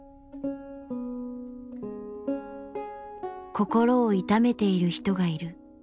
心を痛めている人がいる。